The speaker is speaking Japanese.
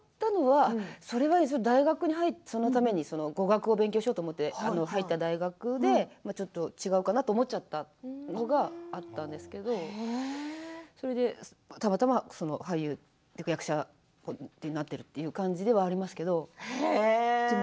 それは大学に入ってそのために語学を勉強しようと思って入った大学でちょっと違うかなって思っちゃったのがあったんですけれどそれでたまたま俳優役者ってなっているという感じではありますけれども。